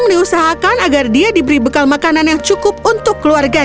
cubalah untuk mencoba untuk menges reuni untuk orang keluarga